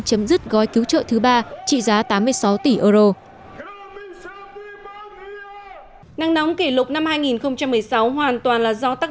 chấm dứt gói cứu trợ thứ ba trị giá tám mươi sáu tỷ euro nắng nóng kỷ lục năm hai nghìn một mươi sáu hoàn toàn là do tác